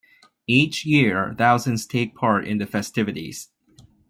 Each year, thousands take part in the festivities.